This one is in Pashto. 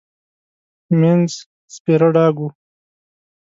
مينځ سپيره ډاګ و.